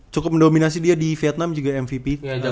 cukup mendominasi dia di vietnam juga mvp